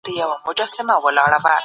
موږ باید د اسلام په ارزښتونو وویاړو.